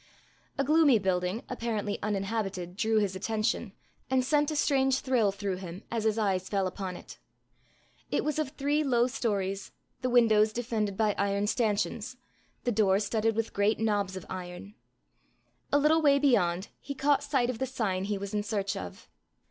A gloomy building, apparently uninhabited, drew his attention, and sent a strange thrill through him as his eyes fell upon it. It was of three low stories, the windows defended by iron stanchions, the door studded with great knobs of iron. A little way beyond he caught sight of the sign he was in search of.